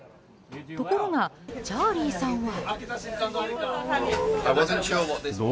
ところが、チャーリーさんは。